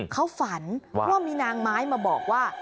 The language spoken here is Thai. เขาฝันว่ามีนางไม้มาบอกว่า